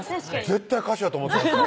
絶対歌手やと思ってました